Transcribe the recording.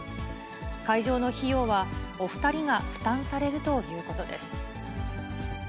会場の費用はお２人が負担されるということです。